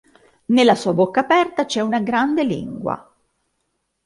Nella sua bocca aperta c'è una grande lingua.